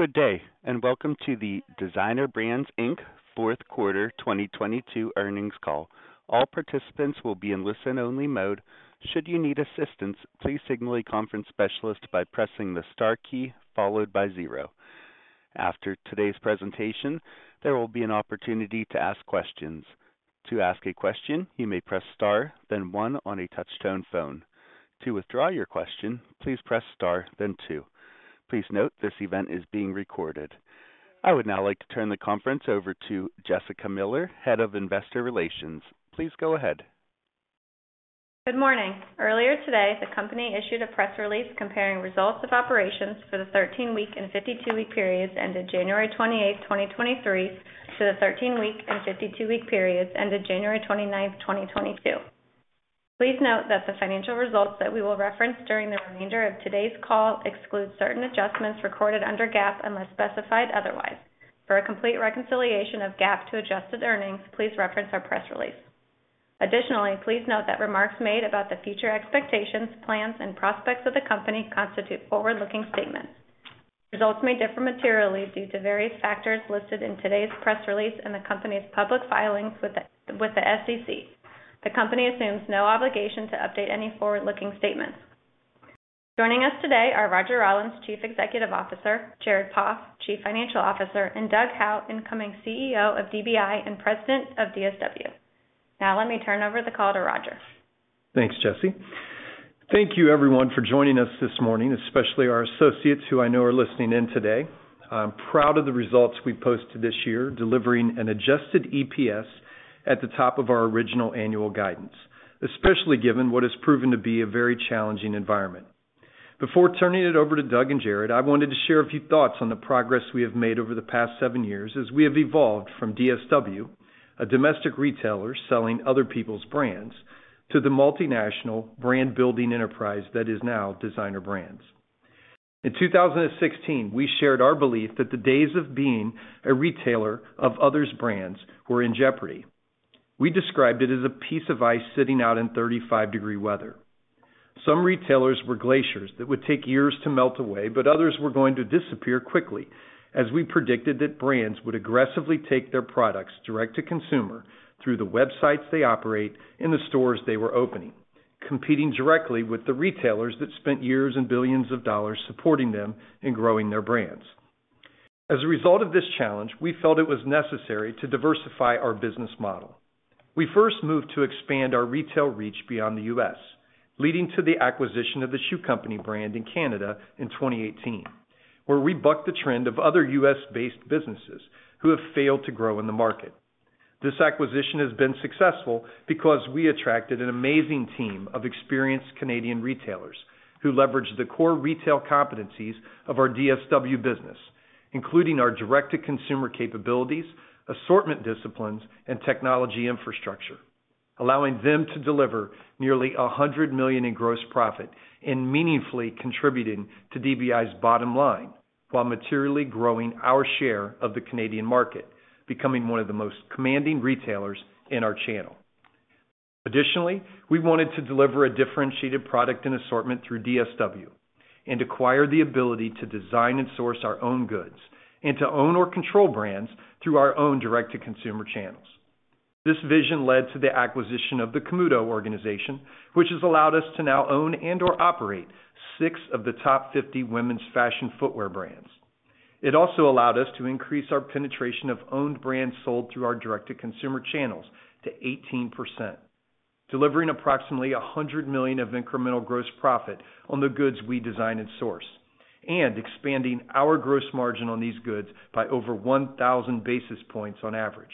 Good day, welcome to the Designer Brands Inc fourth quarter 2022 earnings call. All participants will be in listen-only mode. Should you need assistance, please signal a conference specialist by pressing the star key followed by zero. After today's presentation, there will be an opportunity to ask questions. To ask a question, you may press star, then one on a touch-tone phone. To withdraw your question, please press star then two. Please note this event is being recorded. I would now like to turn the conference over to Jessica Miller, Head of Investor Relations. Please go ahead. Good morning. Earlier today, the company issued a press release comparing results of operations for the 13-week and 52-week periods ended January 28, 2023, to the 13-week and 52-week periods ended January 29, 2022. Please note that the financial results that we will reference during the remainder of today's call exclude certain adjustments recorded under GAAP unless specified otherwise. For a complete reconciliation of GAAP to adjusted earnings, please reference our press release. Additionally, please note that remarks made about the future expectations, plans, and prospects of the company constitute forward-looking statements. Results may differ materially due to various factors listed in today's press release and the company's public filings with the SEC. The company assumes no obligation to update any forward-looking statements. Joining us today are Roger Rawlins, Chief Executive Officer, Jared Poff, Chief Financial Officer, and Doug Howe, incoming CEO of DBI and President of DSW. Let me turn over the call to Roger. Thanks, Jesse. Thank you everyone for joining us this morning, especially our associates who I know are listening in today. I'm proud of the results we posted this year, delivering an adjusted EPS at the top of our original annual guidance, especially given what has proven to be a very challenging environment. Before turning it over to Doug and Jared, I wanted to share a few thoughts on the progress we have made over the past seven years as we have evolved from DSW, a domestic retailer selling other people's brands, to the multinational brand-building enterprise that is now Designer Brands. In 2016, we shared our belief that the days of being a retailer of others' brands were in jeopardy. We described it as a piece of ice sitting out in 35 degree weather. Some retailers were glaciers that would take years to melt away, others were going to disappear quickly as we predicted that brands would aggressively take their products direct-to-consumer through the websites they operate and the stores they were opening, competing directly with the retailers that spent years and dollar billions supporting them and growing their brands. As a result of this challenge, we felt it was necessary to diversify our business model. We first moved to expand our retail reach beyond the U.S., leading to the acquisition of The Shoe Company brand in Canada in 2018, where we bucked the trend of other US-based businesses who have failed to grow in the market. This acquisition has been successful because we attracted an amazing team of experienced Canadian retailers who leveraged the core retail competencies of our DSW, including our direct-to-consumer capabilities, assortment disciplines, and technology infrastructure, allowing them to deliver nearly $100 million in gross profit and meaningfully contributing to DBI's bottom line while materially growing our share of the Canadian market, becoming one of the most commanding retailers in our channel. We wanted to deliver a differentiated product and assortment through DSW and acquire the ability to design and source our own goods and to own or control brands through our own direct-to-consumer channels. This vision led to the acquisition of the Camuto organization, which has allowed us to now own and or operate six of the top 50 women's fashion footwear brands. It also allowed us to increase our penetration of owned brands sold through our direct-to-consumer channels to 18%, delivering approximately $100 million of incremental gross profit on the goods we design and source, and expanding our gross margin on these goods by over 1,000 basis points on average.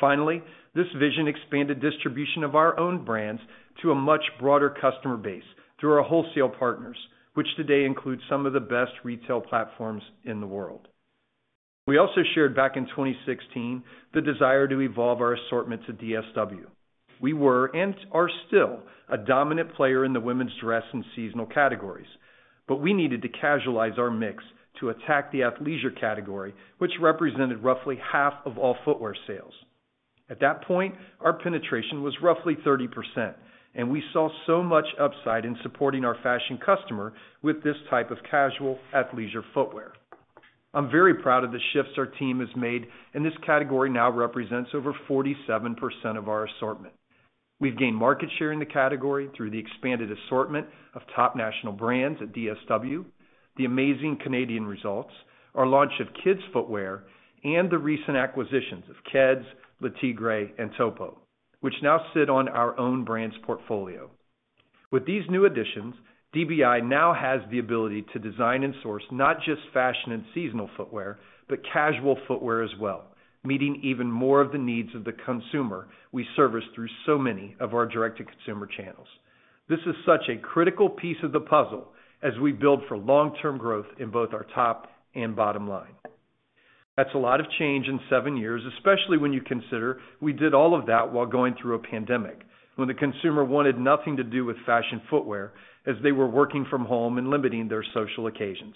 Finally, this vision expanded distribution of our own brands to a much broader customer base through our wholesale partners, which today include some of the best retail platforms in the world. We also shared back in 2016 the desire to evolve our assortment to DSW. We were, and are still, a dominant player in the women's dress and seasonal categories, but we needed to casualize our mix to attack the athleisure category, which represented roughly half of all footwear sales. At that point, our penetration was roughly 30%, and we saw so much upside in supporting our fashion customer with this type of casual athleisure footwear. I'm very proud of the shifts our team has made, and this category now represents over 47% of our assortment. We've gained market share in the category through the expanded assortment of top national brands at DSW, the amazing Canadian results, our launch of kids footwear, and the recent acquisitions of Keds, Le TIGRE, and Topo, which now sit on our own brands portfolio. With these new additions, DBI now has the ability to design and source not just fashion and seasonal footwear, but casual footwear as well, meeting even more of the needs of the consumer we service through so many of our direct-to-consumer channels. This is such a critical piece of the puzzle as we build for long-term growth in both our top and bottom line. That's a lot of change in seven years, especially when you consider we did all of that while going through a pandemic, when the consumer wanted nothing to do with fashion footwear as they were working from home and limiting their social occasions.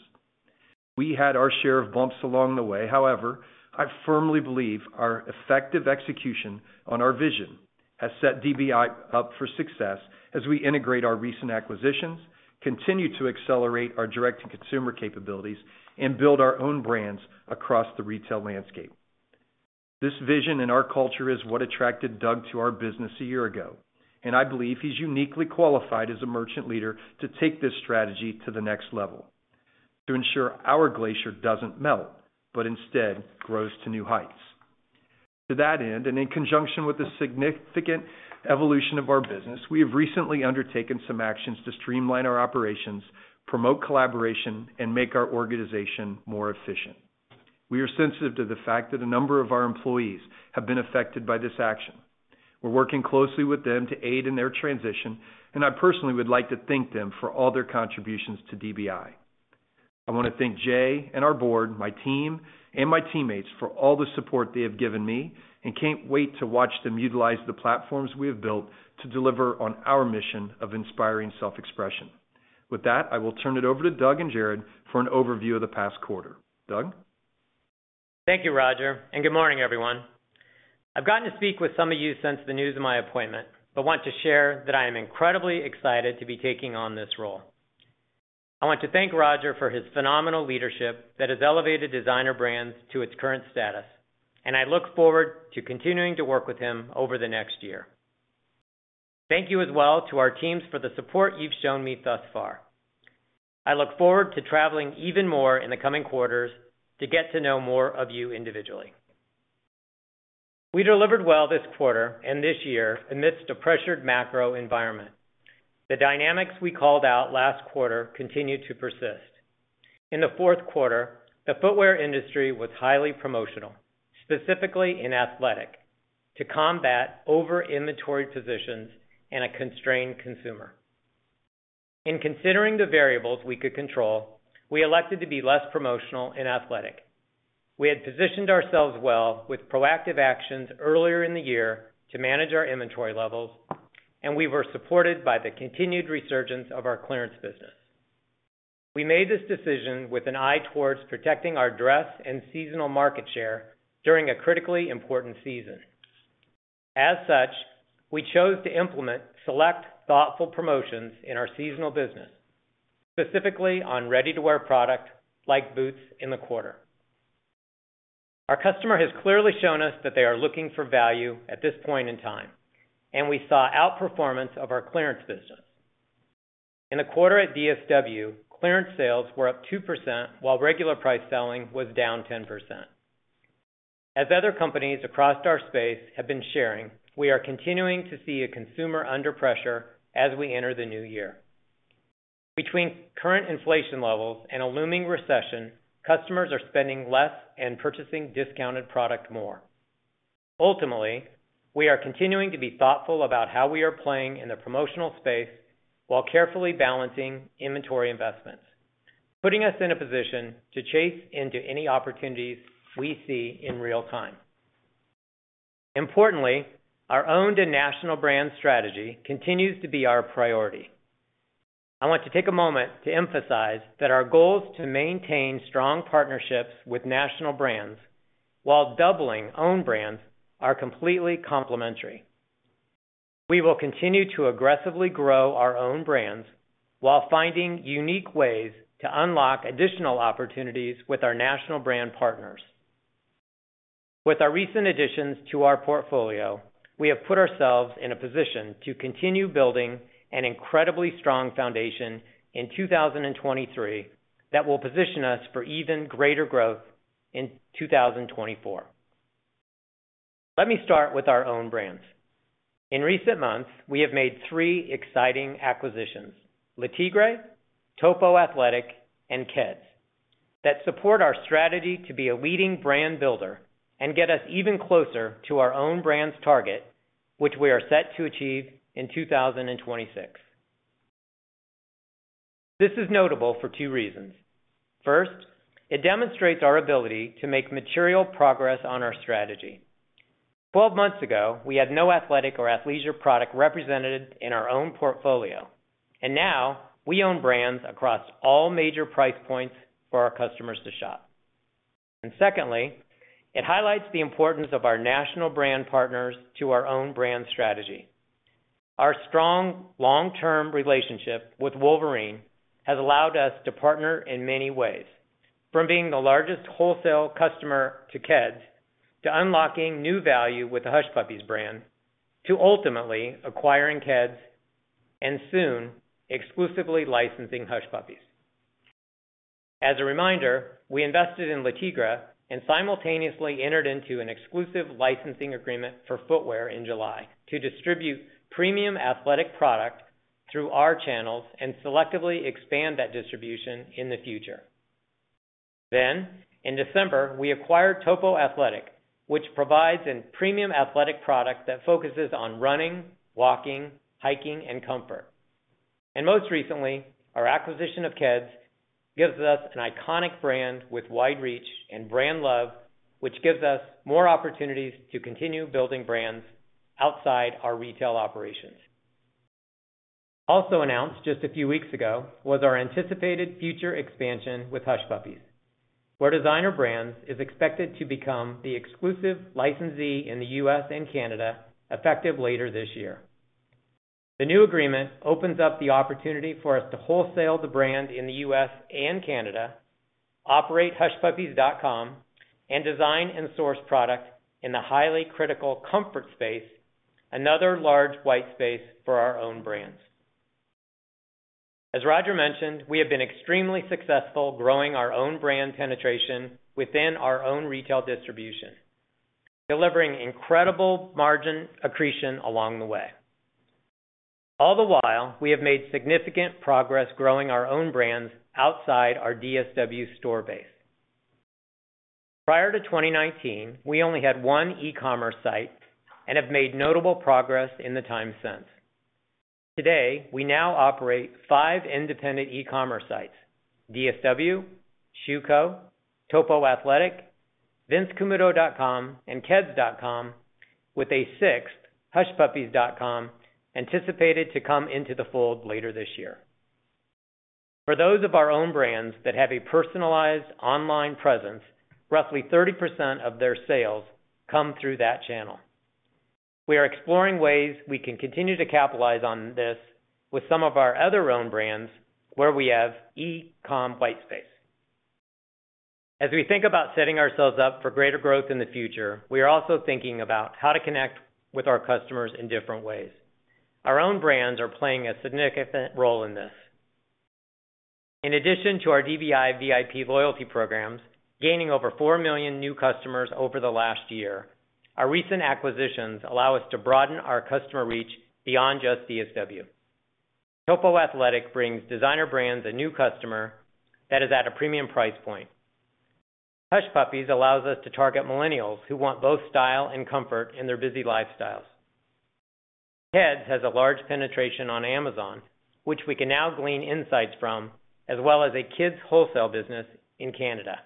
We had our share of bumps along the way. However, I firmly believe our effective execution on our vision has set DBI up for success as we integrate our recent acquisitions, continue to accelerate our direct-to-consumer capabilities, and build our own brands across the retail landscape. This vision in our culture is what attracted Doug Howe to our business a year ago, and I believe he's uniquely qualified as a merchant leader to take this strategy to the next level to ensure our glacier doesn't melt, but instead grows to new heights. To that end, and in conjunction with the significant evolution of our business, we have recently undertaken some actions to streamline our operations, promote collaboration, and make our organization more efficient. We are sensitive to the fact that a number of our employees have been affected by this action. We're working closely with them to aid in their transition, and I personally would like to thank them for all their contributions to DBI. I wanna thank Jay and our board, my team, and my teammates for all the support they have given me, and can't wait to watch them utilize the platforms we have built to deliver on our mission of inspiring self-expression. With that, I will turn it over to Doug and Jared for an overview of the past quarter. Doug? Thank you, Roger. Good morning, everyone. I've gotten to speak with some of you since the news of my appointment. Want to share that I am incredibly excited to be taking on this role. I want to thank Roger for his phenomenal leadership that has elevated Designer Brands to its current status. I look forward to continuing to work with him over the next year. Thank you as well to our teams for the support you've shown me thus far. I look forward to traveling even more in the coming quarters to get to know more of you individually. We delivered well this quarter and this year amidst a pressured macro environment. The dynamics we called out last quarter continued to persist. In the fourth quarter, the footwear industry was highly promotional, specifically in athletic, to combat over-inventory positions and a constrained consumer. In considering the variables we could control, we elected to be less promotional in athletic. We had positioned ourselves well with proactive actions earlier in the year to manage our inventory levels, and we were supported by the continued resurgence of our clearance business. We made this decision with an eye towards protecting our dress and seasonal market share during a critically important season. As such, we chose to implement select thoughtful promotions in our seasonal business, specifically on ready-to-wear product like boots in the quarter. Our customer has clearly shown us that they are looking for value at this point in time, and we saw outperformance of our clearance business. In the quarter at DSW, clearance sales were up 2% while regular price selling was down 10%. As other companies across our space have been sharing, we are continuing to see a consumer under pressure as we enter the new year. Between current inflation levels and a looming recession, customers are spending less and purchasing discounted product more. Ultimately, we are continuing to be thoughtful about how we are playing in the promotional space while carefully balancing inventory investments, putting us in a position to chase into any opportunities we see in real time. Importantly, our owned and national brand strategy continues to be our priority. I want to take a moment to emphasize that our goals to maintain strong partnerships with national brands while doubling own brands are completely complementary. We will continue to aggressively grow our own brands while finding unique ways to unlock additional opportunities with our national brand partners. With our recent additions to our portfolio, we have put ourselves in a position to continue building an incredibly strong foundation in 2023 that will position us for even greater growth in 2024. Let me start with our own brands. In recent months, we have made three exciting acquisitions, Le TIGRE, Topo Athletic, and Keds, that support our strategy to be a leading brand builder and get us even closer to our own brands' target, which we are set to achieve in 2026. This is notable for two reasons. First, it demonstrates our ability to make material progress on our strategy. 12 months ago, we had no athletic or athleisure product represented in our own portfolio, now we own brands across all major price points for our customers to shop. Secondly, it highlights the importance of our national brand partners to our own brand strategy. Our strong long-term relationship with Wolverine has allowed us to partner in many ways, from being the largest wholesale customer to Keds, to unlocking new value with the Hush Puppies brand, to ultimately acquiring Keds and soon exclusively licensing Hush Puppies. As a reminder, we invested in Le TIGRE and simultaneously entered into an exclusive licensing agreement for footwear in July to distribute premium athletic product through our channels and selectively expand that distribution in the future. In December, we acquired Topo Athletic, which provides a premium athletic product that focuses on running, walking, hiking, and comfort. Most recently, our acquisition of Keds gives us an iconic brand with wide reach and brand love, which gives us more opportunities to continue building brands outside our retail operations. Announced just a few weeks ago was our anticipated future expansion with Hush Puppies, where Designer Brands is expected to become the exclusive licensee in the U.S. and Canada effective later this year. The new agreement opens up the opportunity for us to wholesale the brand in the U.S. and Canada, operate HushPuppies.com, and design and source product in the highly critical comfort space, another large white-space for our own brands. As Roger mentioned, we have been extremely successful growing our own brand penetration within our own retail distribution, delivering incredible margin accretion along the way. All the while, we have made significant progress growing our own brands outside our DSW store base. Prior to 2019, we only had one e-commerce site and have made notable progress in the time since. Today, we now operate five independent e-commerce sites, DSW, Shoe Company, Topo Athletic, vincecamuto.com, and keds.com, with a sixth, hushpuppies.com, anticipated to come into the fold later this year. For those of our own brands that have a personalized online presence, roughly 30% of their sales come through that channel. We are exploring ways we can continue to capitalize on this with some of our other own brands where we have e-com white-space. As we think about setting ourselves up for greater growth in the future, we are also thinking about how to connect with our customers in different ways. Our own brands are playing a significant role in this. In addition to our DBI VIP loyalty programs, gaining over 4 million new customers over the last year, our recent acquisitions allow us to broaden our customer reach beyond just DSW. Topo Athletic brings Designer Brands a new customer that is at a premium price point. Hush Puppies allows us to target millennials who want both style and comfort in their busy lifestyles. Keds has a large penetration on Amazon, which we can now glean insights from, as well as a kids' wholesale business in Canada.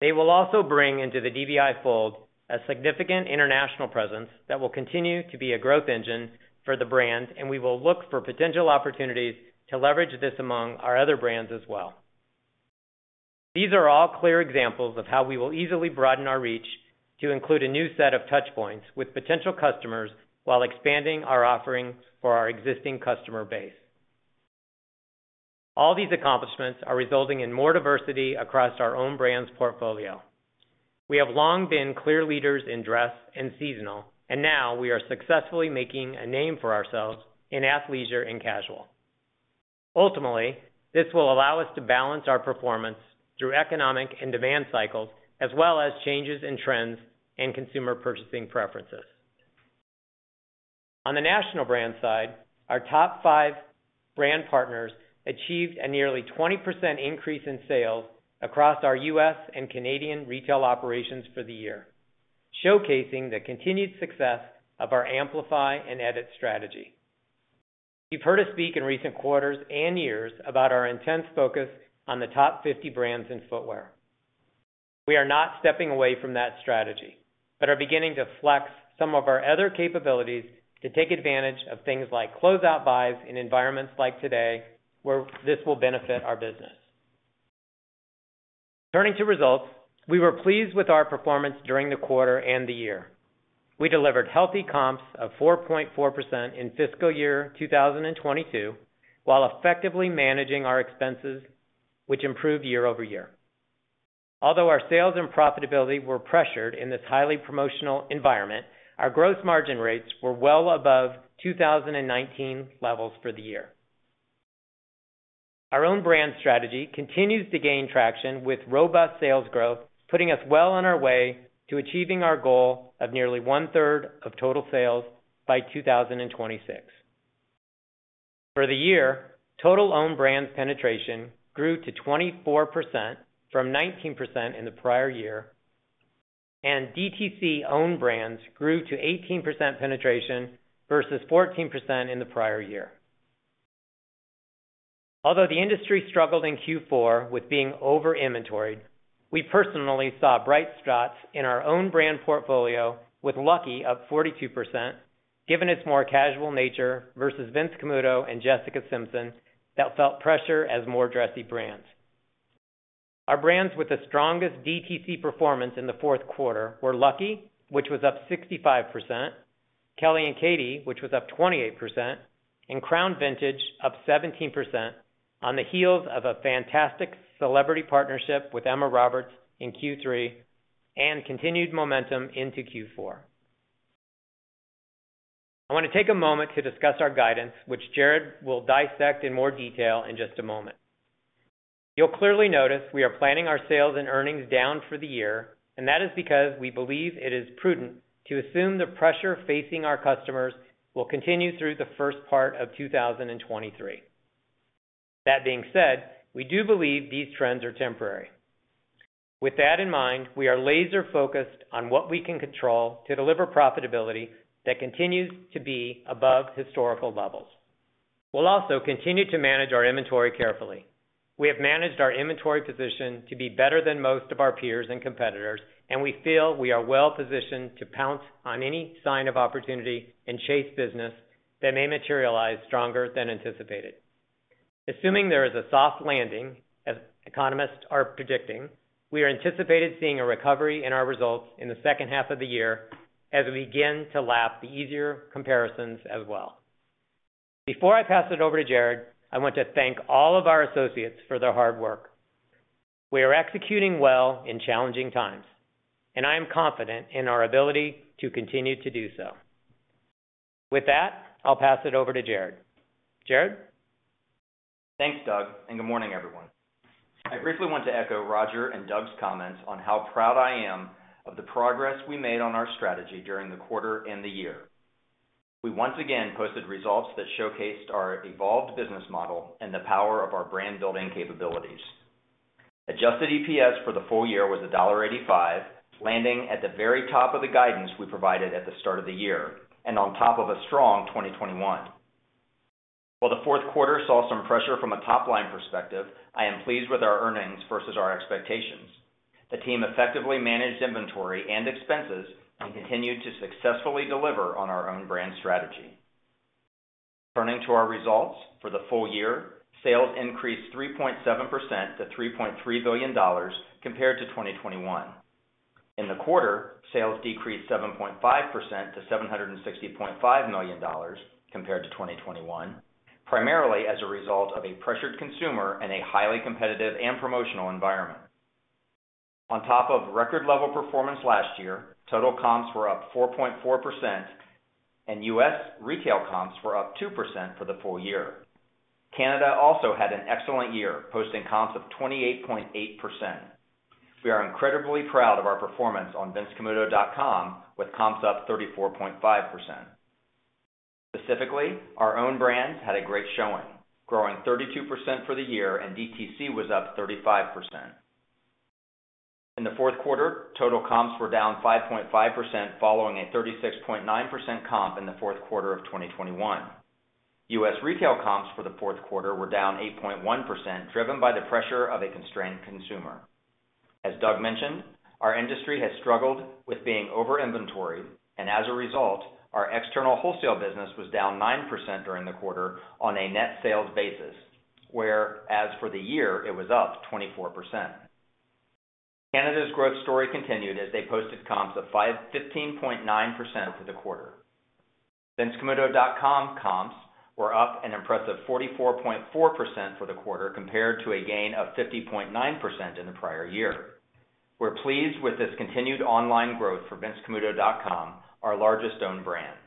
They will also bring into the DBI fold a significant international presence that will continue to be a growth engine for the brand, and we will look for potential opportunities to leverage this among our other brands as well. These are all clear examples of how we will easily broaden our reach to include a new set of touch points with potential customers while expanding our offerings for our existing customer base. All these accomplishments are resulting in more diversity across our own brands portfolio. We have long been clear leaders in dress and seasonal, and now we are successfully making a name for ourselves in athleisure and casual. Ultimately, this will allow us to balance our performance through economic and demand cycles, as well as changes in trends and consumer purchasing preferences. On the national brand side, our top five brand partners achieved a nearly 20% increase in sales across our U.S. and Canadian retail operations for the year, showcasing the continued success of our amplify and edit strategy. You've heard us speak in recent quarters and years about our intense focus on the top 50 brands in footwear. We are not stepping away from that strategy, but are beginning to flex some of our other capabilities to take advantage of things like closeout buys in environments like today, where this will benefit our business. Turning to results, we were pleased with our performance during the quarter and the year. We delivered healthy comps of 4.4% in fiscal year 2022, while effectively managing our expenses, which improved year-over-year. Although our sales and profitability were pressured in this highly promotional environment, our gross margin rates were well above 2019 levels for the year. Our own brand strategy continues to gain traction, with robust sales growth putting us well on our way to achieving our goal of nearly one-third of total sales by 2026. For the year, total own brands penetration grew to 24% from 19% in the prior year, and DTC own brands grew to 18% penetration versus 14% in the prior year. Although the industry struggled in Q4 with being over inventoried, we personally saw bright spots in our own brand portfolio with Lucky up 42% given its more casual nature versus Vince Camuto and Jessica Simpson that felt pressure as more dressy brands. Our brands with the strongest DTC performance in the fourth quarter were Lucky, which was up 65%, Kelly & Katie, which was up 28%, and Crown Vintage up 17% on the heels of a fantastic celebrity partnership with Emma Roberts in Q3 and continued momentum into Q4. I want to take a moment to discuss our guidance, which Jared will dissect in more detail in just a moment. You'll clearly notice we are planning our sales and earnings down for the year. That is because we believe it is prudent to assume the pressure facing our customers will continue through the first part of 2023. That being said, we do believe these trends are temporary. With that in mind, we are laser focused on what we can control to deliver profitability that continues to be above historical levels. We'll also continue to manage our inventory carefully. We have managed our inventory position to be better than most of our peers and competitors. We feel we are well positioned to pounce on any sign of opportunity and chase business that may materialize stronger than anticipated. Assuming there is a soft landing, as economists are predicting, we are anticipated seeing a recovery in our results in the second half of the year as we begin to lap the easier comparisons as well. Before I pass it over to Jared, I want to thank all of our associates for their hard work. We are executing well in challenging times. I am confident in our ability to continue to do so. With that, I'll pass it over to Jared. Jared? Thanks, Doug. Good morning, everyone. I briefly want to echo Roger and Doug's comments on how proud I am of the progress we made on our strategy during the quarter and the year. We once again posted results that showcased our evolved business model and the power of our brand-building capabilities. Adjusted EPS for the full year was $1.85, landing at the very top of the guidance we provided at the start of the year and on top of a strong 2021. While the fourth quarter saw some pressure from a top-line perspective, I am pleased with our earnings versus our expectations. The team effectively managed inventory and expenses and continued to successfully deliver on our own brand strategy. Turning to our results for the full year, sales increased 3.7% to $3.3 billion compared to 2021. In the quarter, sales decreased 7.5% to $760.5 million compared to 2021, primarily as a result of a pressured consumer and a highly competitive and promotional environment. On top of record level performance last year, total comps were up 4.4% and U.S. retail comparable sales were up 2% for the full year. Canada also had an excellent year, posting comps of 28.8%. We are incredibly proud of our performance on vincecamuto.com with comps up 34.5%. Specifically, our own brands had a great showing, growing 32% for the year, and DTC was up 35%. In the fourth quarter, total comps were down 5.5%, following a 36.9% comp in the fourth quarter of 2021. U.S. retail comparable sales for the fourth quarter were down 8.1%, driven by the pressure of a constrained consumer. As Doug mentioned, our industry has struggled with being over inventoried. As a result, our external wholesale business was down 9% during the quarter on a net sales basis, whereas for the year, it was up 24%. Canada's growth story continued as they posted comps of 15.9% for the quarter. vincecamuto.com comps were up an impressive 44.4% for the quarter compared to a gain of 50.9% in the prior year. We're pleased with this continued online growth for vincecamuto.com, our largest own brand.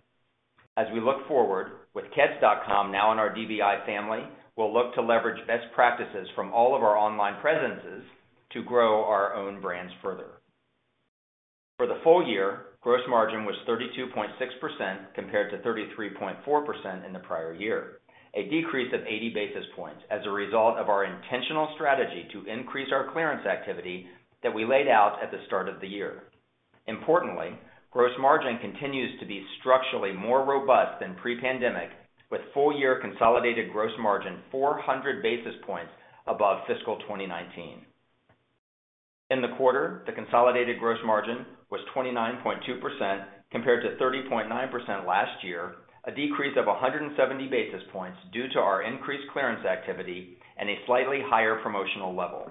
As we look forward, with keds.com now in our DBI family, we'll look to leverage best practices from all of our online presences to grow our own brands further. For the full year, gross margin was 32.6% compared to 33.4% in the prior year, a decrease of 80 basis points as a result of our intentional strategy to increase our clearance activity that we laid out at the start of the year. Importantly, gross margin continues to be structurally more robust than pre-pandemic, with full year consolidated gross margin 400 basis points above fiscal 2019. In the quarter, the consolidated gross margin was 29.2% compared to 30.9% last year, a decrease of 170 basis points due to our increased clearance activity and a slightly higher promotional level.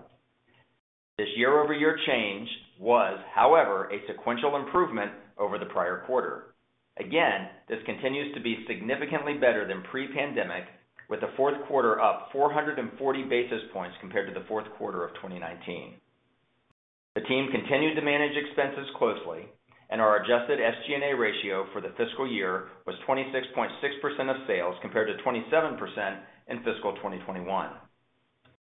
This year-over-year change was, however, a sequential improvement over the prior quarter. This continues to be significantly better than pre-pandemic, with the fourth quarter up 440 basis points compared to the fourth quarter of 2019. The team continued to manage expenses closely, and our adjusted SG&A ratio for the fiscal year was 26.6% of sales compared to 27% in fiscal 2021.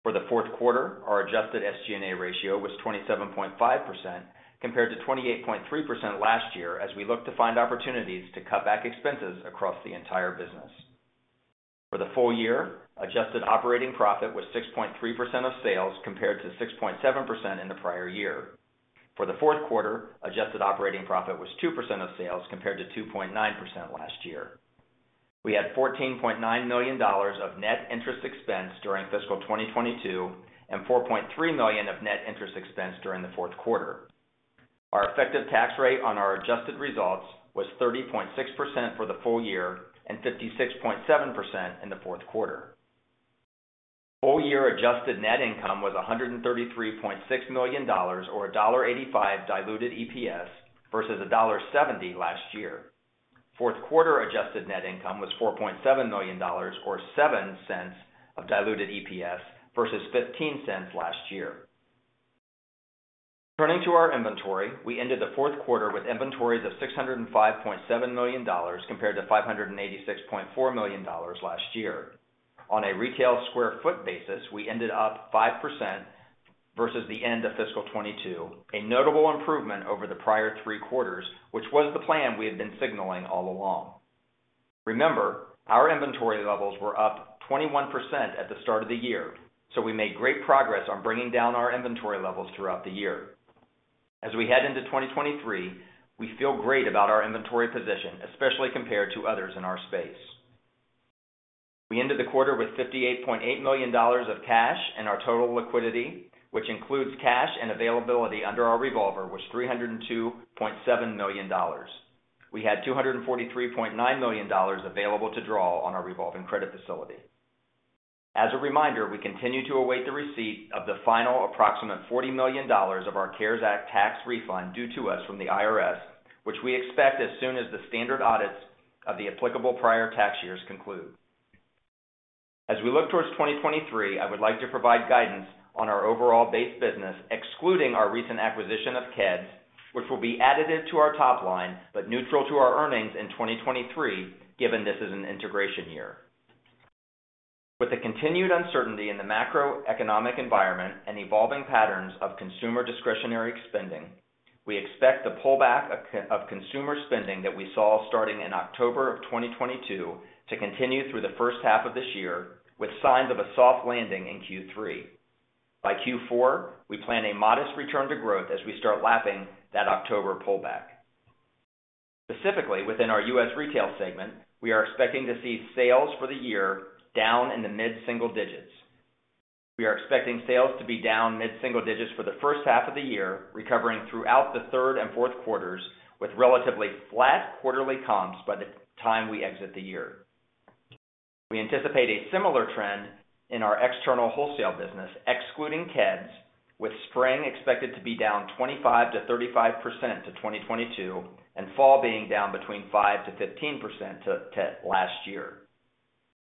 For the fourth quarter, our adjusted SG&A ratio was 27.5% compared to 28.3% last year as we look to find opportunities to cut back expenses across the entire business. For the full year, adjusted operating profit was 6.3% of sales compared to 6.7% in the prior year. For the fourth quarter, adjusted operating profit was 2% of sales compared to 2.9% last year. We had $14.9 million of net interest expense during fiscal 2022 and $4.3 million of net interest expense during the fourth quarter. Our effective tax rate on our adjusted results was 30.6% for the full year and 56.7% in the fourth quarter. Full year adjusted net income was $133.6 million or $1.85 diluted EPS versus $1.70 last year. Fourth quarter adjusted net income was $4.7 million or $0.07 of diluted EPS versus $0.15 last year. Turning to our inventory, we ended the fourth quarter with inventories of $605.7 million compared to $586.4 million last year. On a retail square foot basis, we ended up 5% versus the end of fiscal 2022, a notable improvement over the prior three quarters, which was the plan we have been signaling all along. Remember, our inventory levels were up 21% at the start of the year. We made great progress on bringing down our inventory levels throughout the year. As we head into 2023, we feel great about our inventory position, especially compared to others in our space. We ended the quarter with $58.8 million of cash, and our total liquidity, which includes cash and availability under our revolver, was $302.7 million. We had $243.9 million available to draw on our revolving credit facility. As a reminder, we continue to await the receipt of the final approximate $40 million of our CARES Act tax refund due to us from the IRS, which we expect as soon as the standard audits of the applicable prior tax years conclude. As we look towards 2023, I would like to provide guidance on our overall base business, excluding our recent acquisition of Keds, which will be additive to our top line, but neutral to our earnings in 2023, given this is an integration year. With the continued uncertainty in the macroeconomic environment and evolving patterns of consumer discretionary spending, we expect the pullback of consumer spending that we saw starting in October of 2022 to continue through the first half of this year, with signs of a soft-landing in Q3. By Q4, we plan a modest return to growth as we start lapping that October pullback. Specifically, within our U.S. retail segment, we are expecting to see sales for the year down in the mid-single digits. We are expecting sales to be down mid-single digits for the first half of the year, recovering throughout the third and fourth quarters, with relatively flat quarterly comps by the time we exit the year. We anticipate a similar trend in our external wholesale business, excluding Keds, with spring expected to be down 25%-35% to 2022 and fall being down between 5%-15% to last year.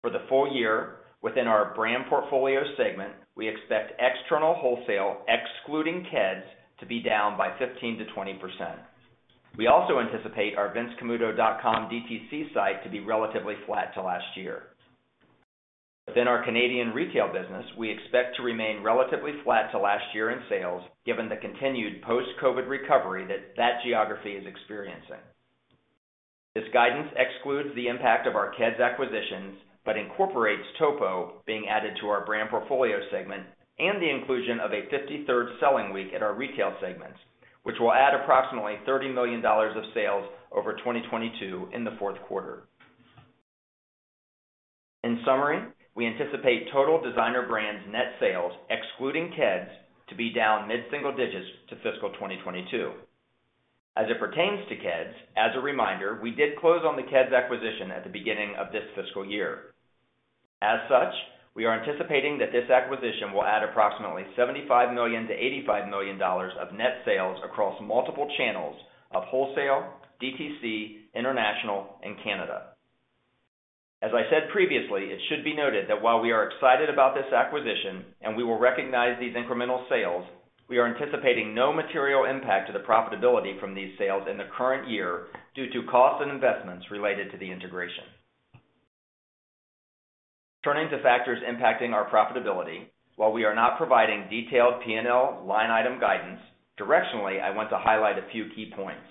For the full year, within our brand portfolio segment, we expect external wholesale, excluding Keds, to be down by 15%-20%. We also anticipate our vincecamuto.com DTC site to be relatively flat to last year. Within our Canadian retail business, we expect to remain relatively flat to last year in sales, given the continued post-COVID recovery that that geography is experiencing. This guidance excludes the impact of our Keds acquisitions, but incorporates Topo being added to our brand portfolio segment and the inclusion of a 53rd selling week at our retail segments, which will add approximately $30 million of sales over 2022 in the fourth quarter. In summary, we anticipate total Designer Brands net sales, excluding Keds, to be down mid-single digits to fiscal 2022. As it pertains to Keds, as a reminder, we did close on the Keds acquisition at the beginning of this fiscal year. As such, we are anticipating that this acquisition will add approximately $75 million-$85 million of net sales across multiple channels of wholesale, DTC, international, and Canada. As I said previously, it should be noted that while we are excited about this acquisition and we will recognize these incremental sales, we are anticipating no material impact to the profitability from these sales in the current year due to costs and investments related to the integration. Turning to factors impacting our profitability, while we are not providing detailed P&L line item guidance, directionally, I want to highlight a few key points.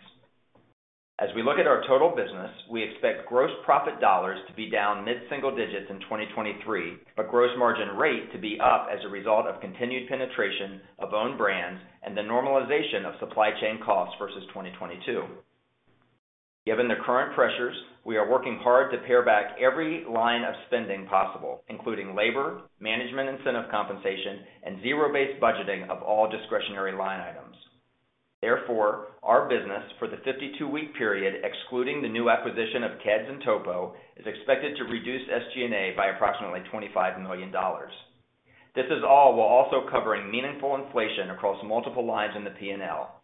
As we look at our total business, we expect gross profit dollars to be down mid-single digits in 2023, but gross margin rate to be up as a result of continued penetration of own brands and the normalization of supply chain costs versus 2022. Given the current pressures, we are working hard to pare back every line of spending possible, including labor, management incentive compensation, and zero-based budgeting of all discretionary line items. Our business for the 52-week period, excluding the new acquisition of Keds and Topo, is expected to reduce SG&A by approximately $25 million. This is all while also covering meaningful inflation across multiple lines in the P&L.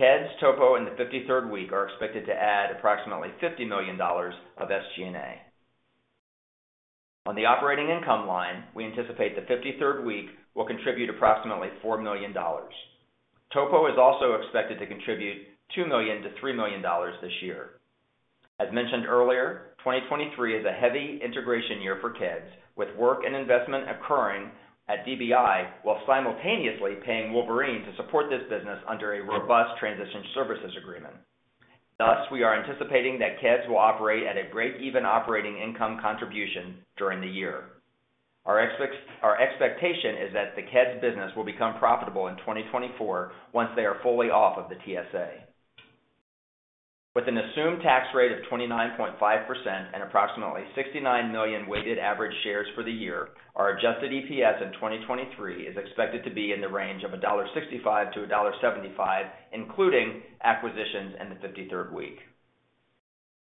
Keds, Topo, and the 53rd week are expected to add approximately $50 million of SG&A. On the operating income line, we anticipate the 53rd week will contribute approximately $4 million. Topo is also expected to contribute $2 million-$3 million this year. As mentioned earlier, 2023 is a heavy integration year for Keds, with work and investment occurring at DBI while simultaneously paying Wolverine to support this business under a robust Transition Services Agreement. We are anticipating that Keds will operate at a break-even operating income contribution during the year. Our expectation is that the Keds business will become profitable in 2024 once they are fully off of the TSA. With an assumed tax rate of 29.5% and approximately 69 million weighted average shares for the year, our adjusted EPS in 2023 is expected to be in the range of $1.65-$1.75, including acquisitions in the 53rd week.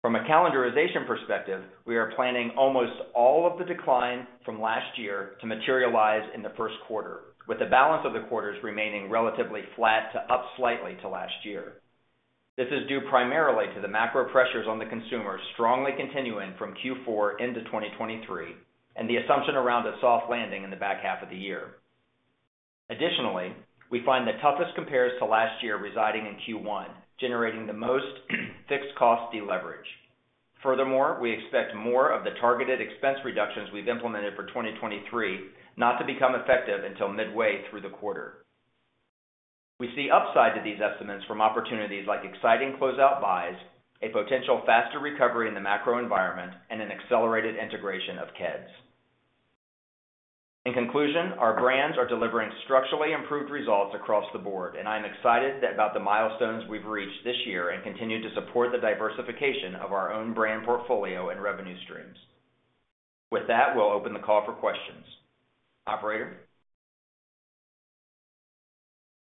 From a calendarization perspective, we are planning almost all of the decline from last year to materialize in the first quarter, with the balance of the quarters remaining relatively flat to up slightly to last year. This is due primarily to the macro pressures on the consumer strongly continuing from Q4 into 2023 and the assumption around a soft landing in the back half of the year. Additionally, we find the toughest compares to last year residing in Q1, generating the most fixed cost deleverage. Furthermore, we expect more of the targeted expense reductions we've implemented for 2023 not to become effective until midway through the quarter. We see upside to these estimates from opportunities like exciting closeout buys, a potential faster recovery in the macro environment, and an accelerated integration of Keds. In conclusion, our brands are delivering structurally improved results across the board, and I'm excited about the milestones we've reached this year and continue to support the diversification of our own brand portfolio and revenue streams. With that, we'll open the call for questions. Operator?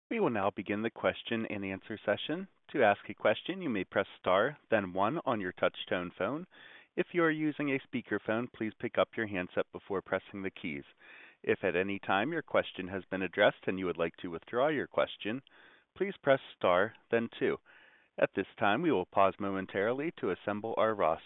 We will now begin the question-and-answer session. To ask a question, you may press star, then one on your touch-tone phone. If you are using a speaker phone, please pick up your handset before pressing the keys. If at any time your question has been addressed and you would like to withdraw your question, please press star then two. At this time, we will pause momentarily to assemble our roster.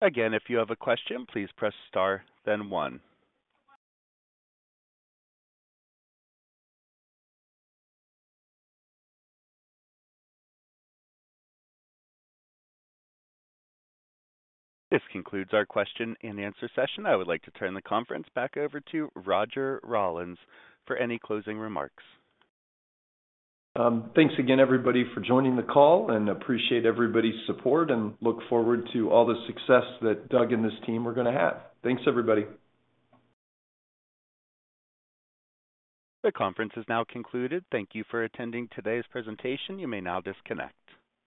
Again, if you have a question, please press star then one. This concludes our question-and-answer session. I would like to turn the conference back over to Roger Rawlins for any closing remarks. Thanks again everybody for joining the call, and appreciate everybody's support and look forward to all the success that Doug Howe and this team are gonna have. Thanks, everybody. The conference is now concluded. Thank you for attending today's presentation. You may now disconnect.